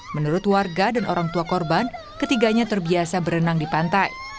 menurut warga dan orang tua korban ketiganya terbiasa berenang di pantai